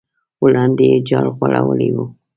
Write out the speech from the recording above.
وړاندې یې جال غوړولی و.